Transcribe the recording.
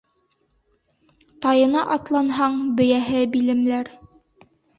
Тайына атланһаң, бейәһе билемләр.